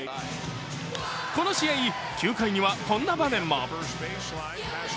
この試合、９回にはこんな場面も。